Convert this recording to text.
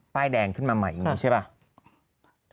ป้ายแดงขึ้นมาไม่ไงใช่ไหม